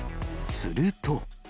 すると。